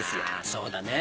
そうだね